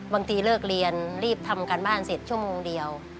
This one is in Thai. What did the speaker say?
เลิกเรียนรีบทำการบ้านเสร็จชั่วโมงเดียว